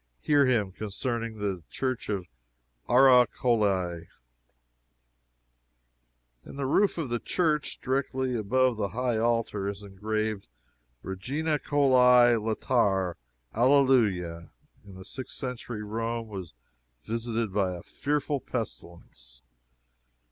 Hear him, concerning the church of Ara Coeli: "In the roof of the church, directly above the high altar, is engraved, 'Regina Coeli laetare Alleluia.' In the sixth century Rome was visited by a fearful pestilence.